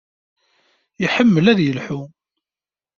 Iḥemmel ad yelḥu.